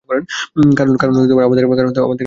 কারণ আমাদের কাছে ঔষধ আছে।